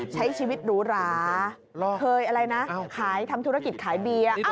ใช้ชีวิตรุราเคยอะไรนะทำธุรกิจขายเบีย